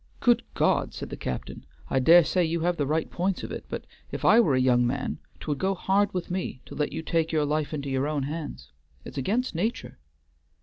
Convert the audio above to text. "Good God!" said the captain. "I dare say you have the right points of it; but if I were a young man 't would go hard with me to let you take your life into your own hands. It's against nature."